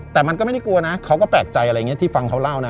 แต่มันก็ไม่ได้กลัวนะเขาก็แปลกใจอะไรอย่างนี้ที่ฟังเขาเล่านะ